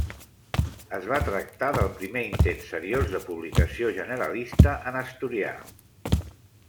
Es va tractar del primer intent seriós de publicació generalista en asturià.